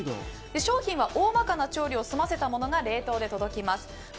商品は大まかな調理を済ませたものが冷凍で届きます。